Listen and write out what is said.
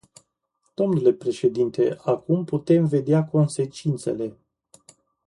Domnule președinte, acum putem vedea consecințele.